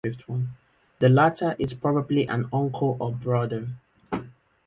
The latter is probably an uncle or brother.